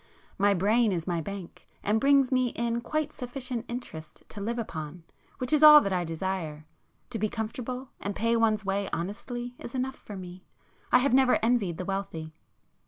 My brain is my bank, and brings me in quite sufficient interest to live upon, which is all that I desire. To be comfortable, and pay one's way honestly is enough for me. I have never envied the wealthy."